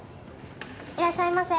いらっしゃいませ。